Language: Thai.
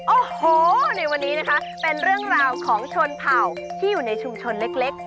โอ้โหในวันนี้นะคะเป็นเรื่องราวของชนเผ่าที่อยู่ในชุมชนเล็ก